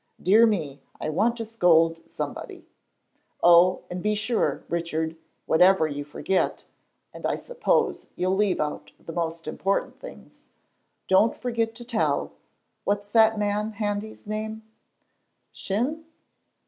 Dear me, I want to scold somebody. Oh, and be sure, Richard, whatever you forget, and I suppose you'll leave out the most important things, don't forget to tell what's that man Handy's name?" "Shin?"